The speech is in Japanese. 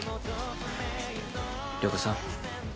涼子さん。